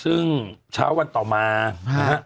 ซึ่งเช้าวันต่อมานะฮะ